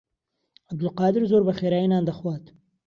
عەبدولقادر زۆر بەخێرایی نان دەخوات.